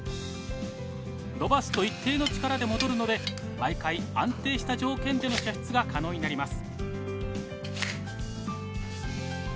伸ばすと一定の力で戻るので毎回安定した条件での射出が可能になります。